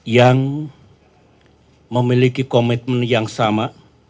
yang memiliki komitmen yang sama